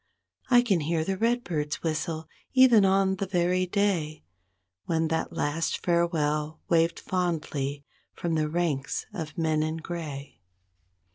I can hear a redbird's whistle, even on the very day When that last farewell waved fondly from the ranks of men in gray.